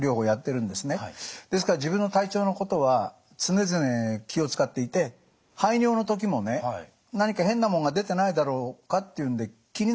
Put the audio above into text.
ですから自分の体調のことは常々気を遣っていて排尿の時もね何か変なもんが出てないだろうかっていうんで気になるんですよ。